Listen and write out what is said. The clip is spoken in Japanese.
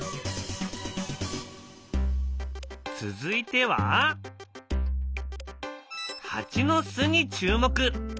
続いてはハチの巣に注目。